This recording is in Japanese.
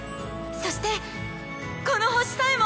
そしてこの星さえも！